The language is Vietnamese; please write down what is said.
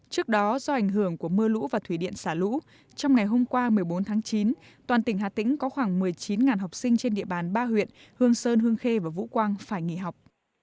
trước đó do ảnh hưởng của mưa lũ và thủy điện xả lũ trong ngày hôm qua một mươi bốn tháng chín toàn tỉnh hà tĩnh có khoảng một mươi chín học sinh trên địa bàn ba huyện hương sơn hương khê và vũ quang phải nghỉ học